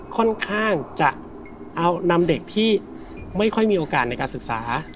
ค่อนข้างจะเอานำเด็กที่ไม่ค่อยมีโอกาสในการศึกษา